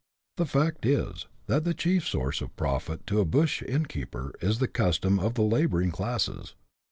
The fact is, that the chief source of profit to a bush innkeeper is the custom of the labouring classes.